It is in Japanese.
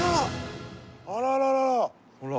あらららら。